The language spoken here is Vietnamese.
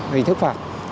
hình thức phạt